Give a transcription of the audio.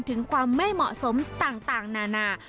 ถึงความไม่เหมาะสมต่างนานา